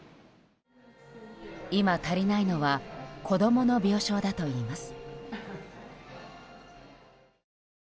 今、足りないのは子供の病床だといいます。